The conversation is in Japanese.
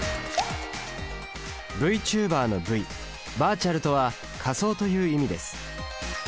Ｖチューバーの「Ｖ」「バーチャル」とは「仮想」という意味です。